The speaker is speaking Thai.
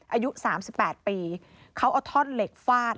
อายุ๓๘ปีเขาเอาท่อนเหล็กฟาด